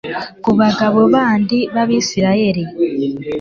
ku bagabo bandi b'abisirayeli